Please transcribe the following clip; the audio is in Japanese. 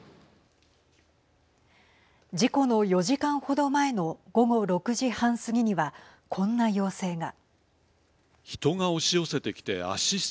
事故の４時間程前の午後６時半過ぎにはこんな要請が。